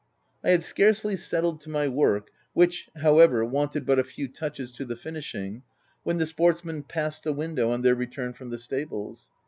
I had scarcely settled to my work— which, however, wanted but a few touches to the finishing — when the sportsmen passed the window on their return from the stables.